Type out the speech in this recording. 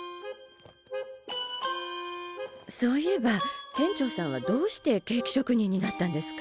そういえば店長さんはどうしてケーキ職人になったんですか？